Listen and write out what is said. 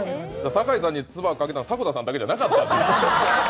堺さんに唾をかけたのは、迫田さんだけじゃなかった。